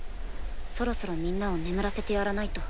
そろそろみんなを眠らせてやらないと。